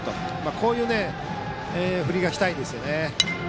こういう振りがしたいですね。